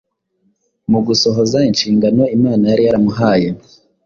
Mu gusohoza inshingano Imana yari yaramuhaye,